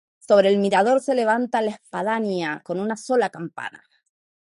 Sobre el mirador se levanta la espadaña, con una sola campana.